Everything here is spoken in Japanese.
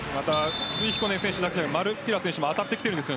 スイヒコネン選手だけでなくマルッティラ選手も当たってきているんです。